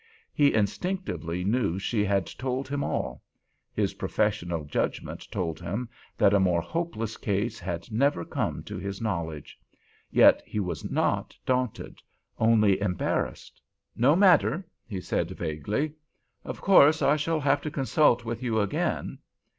He instinctively knew she had told him all; his professional judgment told him that a more hopeless case had never come to his knowledge. Yet he was not daunted, only embarrassed. "No matter," he said, vaguely. "Of course I shall have to consult with you again."